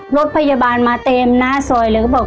รถพยาบาลมาเต็มหน้าซอยเลยเขาบอก